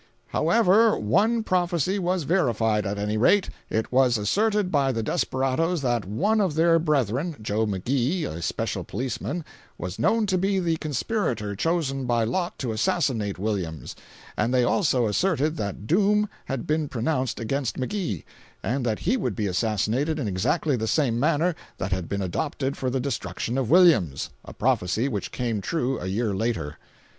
However, one prophecy was verified, at any rate. It was asserted by the desperadoes that one of their brethren (Joe McGee, a special policeman) was known to be the conspirator chosen by lot to assassinate Williams; and they also asserted that doom had been pronounced against McGee, and that he would be assassinated in exactly the same manner that had been adopted for the destruction of Williams—a prophecy which came true a year later.